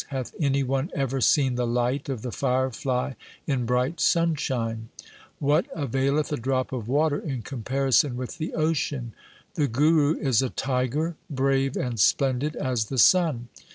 Hath any one ever seen the light of the firefly in bright sunshine ? What availeth a drop of water in comparison with the ocean ? The Guru is a tiger brave and splendid as the sun.